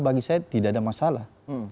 bagi saya tidak ada masalah